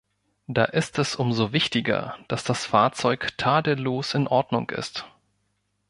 Da ist es umso wichtiger, dass das Fahrzeug tadellos in Ordnung ist.